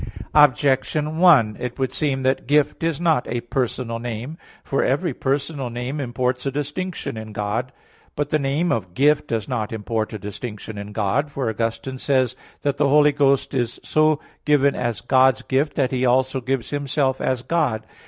Objection 1: It would seem that "Gift" is not a personal name. For every personal name imports a distinction in God. But the name of "Gift" does not import a distinction in God; for Augustine says (De Trin. xv, 19): that "the Holy Ghost is so given as God's Gift, that He also gives Himself as God."